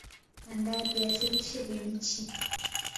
Andaa viazi lishe vibichi